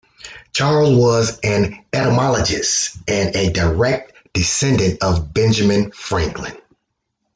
Charles was an entomologist and a direct descendent of Benjamin Franklin.